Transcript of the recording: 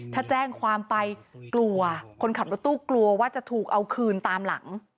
ถ้าแจ้งความไปกลัวคนขับรถตู้กลัวว่าจะถูกเอาคืนตามหลัง